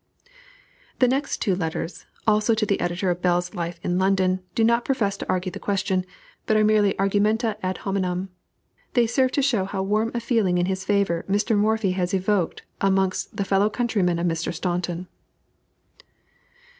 The next two letters, also to the editor of Bell's Life in London, do not profess to argue the question, but are merely argumenta ad hominum. They serve to show how warm a feeling in his favor Mr. Morphy had evoked amongst the fellow countrymen of Mr. Staunton.